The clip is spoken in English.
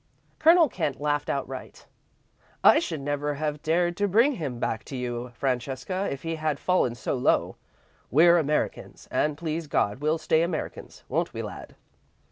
Colonel Kent laughed outright. "I should never have dared to bring him back to you, Francesca, if he had fallen so low. We're Americans, and please God, we'll stay Americans, won't we, lad?"